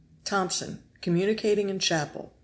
Tomson. Communicating in chapel Tomson.